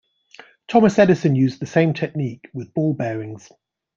Thomas Edison used the same technique, with ball bearings.